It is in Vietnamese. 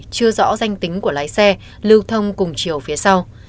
chưa rõ danh tính của lái xe lưu thông cùng chiều phía sau